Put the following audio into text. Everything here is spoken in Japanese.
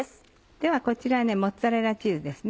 ではこちらモッツァレラチーズですね。